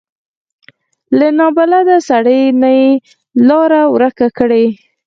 له نابلده سړي نه یې لاره ورکه کړي.